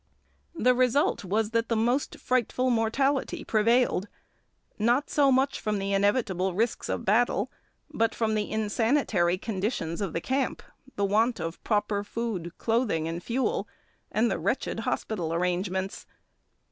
The result was that the most frightful mortality prevailed, not so much from the inevitable risks of battle, but from the insanitary conditions of the camp, the want of proper food, clothing, and fuel, and the wretched hospital arrangements.